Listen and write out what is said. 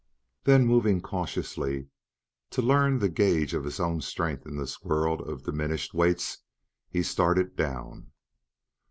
Then, moving cautiously, to learn the gage of his own strength in this world of diminished weights, he started down.